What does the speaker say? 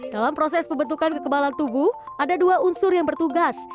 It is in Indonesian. dalam proses pembentukan kekebalan tubuh ada dua unsur yang bertugas